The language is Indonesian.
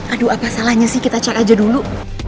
aduh apa salahnya sih kita cek aja dulu